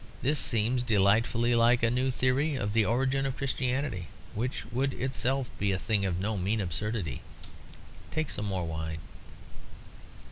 This seems delightfully like a new theory of the origin of Christianity, which would itself be a thing of no mean absurdity. Take some more wine."